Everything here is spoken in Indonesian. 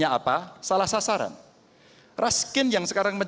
jadi saya mau bicara tentang hal hal yang terjadi di negara ini